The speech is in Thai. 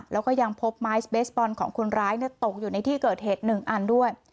แล้วก็ยังพบไม้เบสบอลของคนร้ายตกอยู่ในที่เกิดเหตุ๑อันด้วย